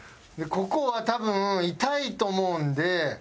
ここは多分痛いと思うんで。